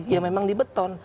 ya memang di beton